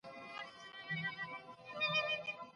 څېړنه یوازې ادبي بوختیا نه ده بلکې مسولیت دی.